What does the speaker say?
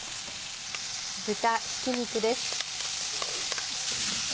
豚ひき肉です。